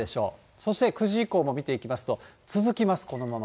そして９時以降も見ていきますと、続きます、このまま。